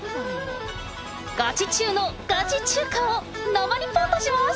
ガチ中のガチ中華を生リポートします。